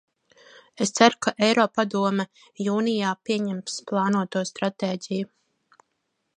Es ceru, ka Eiropadome jūnijā pieņems plānoto stratēģiju.